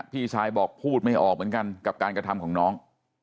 พี่ชายบอกพูดไม่ออกเหมือนกันกับการกระทำของน้อง